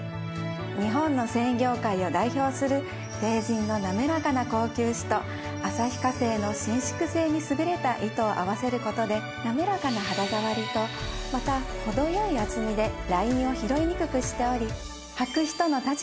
日本の繊維業界を代表する帝人の滑らかな高級糸と旭化成の伸縮性に優れた糸を合わせる事で滑らかな肌触りとまた程よい厚みでラインを拾いにくくしており。